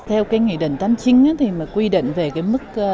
theo cái nghị định tám mươi chín thì mà quy định về cái mức